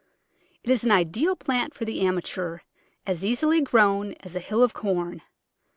It is an ideal plant for the amateur, as easily grown as a hill of corn.